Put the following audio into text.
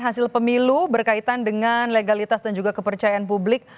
hasil pemilu berkaitan dengan legalitas dan juga kepercayaan publik